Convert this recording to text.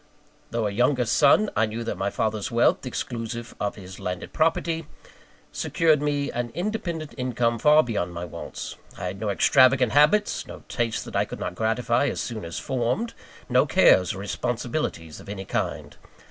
Though a younger son, I knew that my father's wealth, exclusive of his landed property, secured me an independent income far beyond my wants. I had no extravagant habits; no tastes that I could not gratify as soon as formed; no cares or responsibilities of any kind.